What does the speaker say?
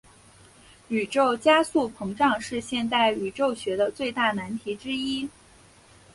宇宙加速膨胀是现代宇宙学的最大难题之一。